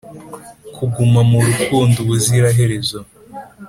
kuguma mu rukundo ubuziraherezo